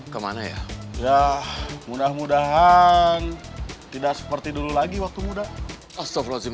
kemana ya ya mudah mudahan tidak seperti dulu lagi waktu muda asto frozen